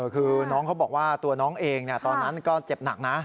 คือน้องเขาบอกว่าตัวน้องเองตอนนั้นก็เจ็บหนักนะ